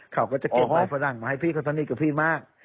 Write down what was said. เขาก็จะเก็บห้อยฝรั่งมาให้พี่เขาสนิทกับพี่มาก